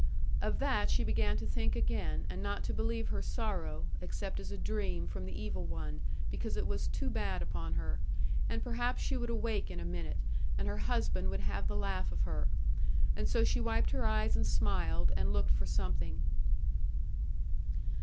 Of that she began to think again, and not to believe her sorrow, except as a dream from the evil one, because it was too bad upon her, and perhaps she would awake in a minute, and her husband would have the laugh of her. And so she wiped her eyes and smiled, and looked for something.